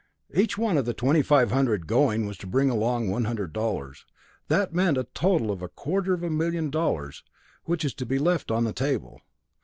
Each one of the twenty five hundred going was to bring along one hundred dollars. That meant a total of a quarter of a million dollars, which is to be left on the table.